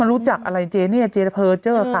รู้จักอะไรเจนี่เจเพอร์เจอร์ค่ะ